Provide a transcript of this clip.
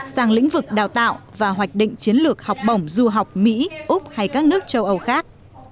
sang lĩnh vực đào tạo và hoạch định chiến lược học bổng du học mỹ úc hay các nước châu âu khác